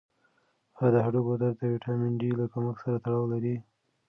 آیا د هډوکو درد د ویټامین ډي له کمښت سره تړاو لري؟